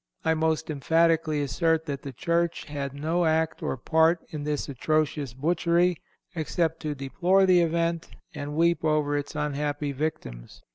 I most emphatically assert that the Church had no act or part in this atrocious butchery, except to deplore the event and weep over its unhappy victims.